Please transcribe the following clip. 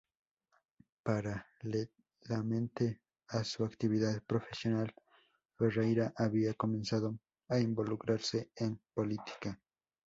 Paralelamente a su actividad profesional, Ferreyra había comenzado a involucrarse en política.